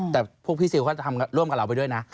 แต่พวกพี่ซิลเขาจะทำร่วมกับเราไปด้วยนะ